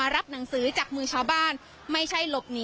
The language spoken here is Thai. เรื่องมันไม่ถึง